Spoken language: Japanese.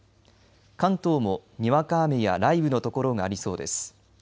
関東もにわか雨や雷雨の所がありそうです。